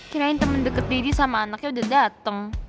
kirain temen deket didi sama anaknya abyuh dateng